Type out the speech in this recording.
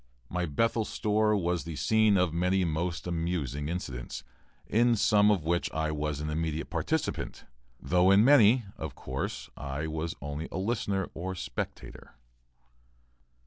My Bethel store was the scene of many most amusing incidents, in some of which I was an immediate participant, though in many, of course, I was only a listener or spectator.